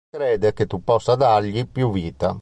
Crede che tu possa dargli più vita".